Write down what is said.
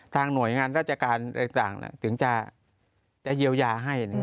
หน่วยงานราชการต่างถึงจะเยียวยาให้